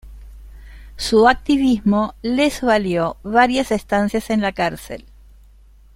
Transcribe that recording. Su activismo les valió varias estancias en la cárcel.